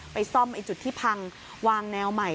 ไปซ่อมจุดที่พังวางแนวใหม่